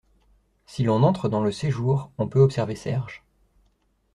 Si l’on entre dans le séjour, on peut observer Serge.